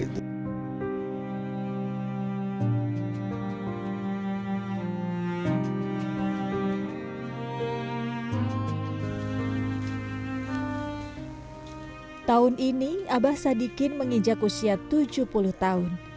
tahun ini abah sadikin menginjak usia tujuh puluh tahun